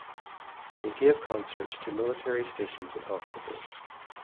They gave concerts to military stations and hospitals.